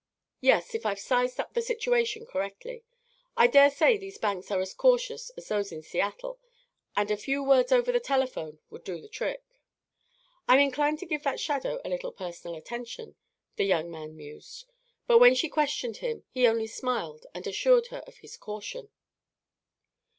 "Yes, if I've sized up the situation correctly. I dare say these banks are as cautious as those in Seattle, and a few words over the telephone would do the trick." "I'm inclined to give that shadow a little personal attention," the young man mused; but when she questioned him, he only smiled and assured her of his caution.